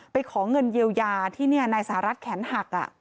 ไปขอเงินเยียวยาที่นายสหรัฐแขนหัก